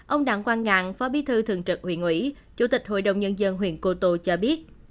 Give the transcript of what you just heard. ông đặng quang ngang phó bí thư thường trực huyện ủy chủ tịch hội đồng nhân dân huyện cô tô cho biết